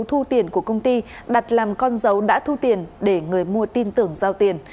và một nhân viên của công ty đặt làm con dấu đã thu tiền để người mua tin tưởng giao tiền